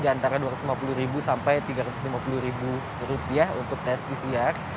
di antara rp dua ratus lima puluh sampai rp tiga ratus lima puluh untuk tes pcr